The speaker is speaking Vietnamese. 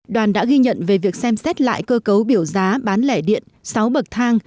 đoàn đã ghi nhận về việc xem xét lại cơ cấu biểu giá bán lẻ điện sáu bậc thang